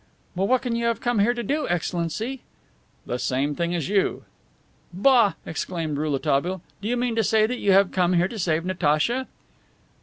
"But what can you have come here to do, Excellency?" "The same thing as you." "Bah!" exclaimed Rouletabille, "do you mean to say that you have come here to save Natacha?"